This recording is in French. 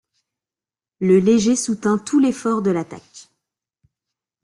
Le léger soutint tout l'effort de l'attaque.